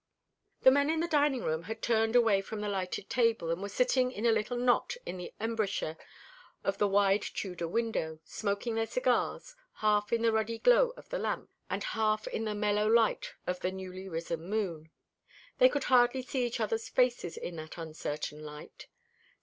The men in the dining room had turned away from the lighted table, and were sitting in a little knot in the embrasure of the wide Tudor window, smoking their cigars, half in the ruddy glow of the lamps and half in the mellow light of the newly risen moon. They could hardly see each other's faces in that uncertain light.